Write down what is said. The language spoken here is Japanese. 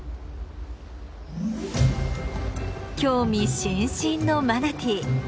興味津々のマナティー。